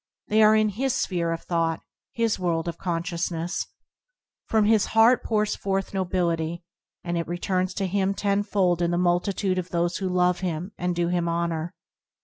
They are in his sphere of thought, his world of consciousness. From his heart pours forth nobility, and it returns to him tenfold in the multitude of those who love him and do him honour.